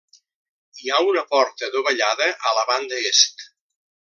Hi ha una porta dovellada a la banda est.